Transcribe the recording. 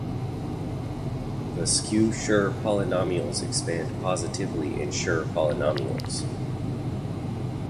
The skew Schur polynomials expands positively in Schur polynomials.